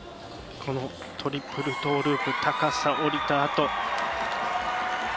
トリプルトーループ高さ、降りたあと。